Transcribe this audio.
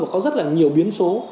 và có rất là nhiều biến số